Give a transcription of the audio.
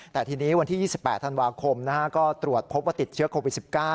แต่ทีนี้วันที่๒๘ธันวาคมก็ตรวจพบว่าติดเชื้อโควิด๑๙